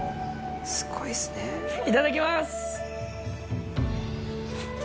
すごいですねいただきます！